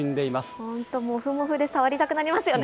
本当、もふもふで触りたくなりますよね。